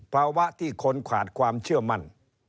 ภาวะที่คนขาดความเชื่อมั่น